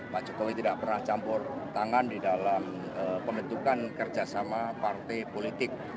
pak jokowi tidak pernah campur tangan di dalam pembentukan kerjasama partai politik